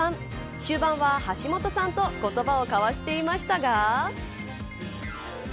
終盤はハシモトさんと言葉を交わしていましたが。